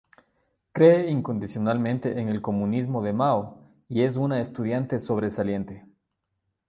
Cree incondicionalmente en el Comunismo de Mao y es una estudiante sobresaliente.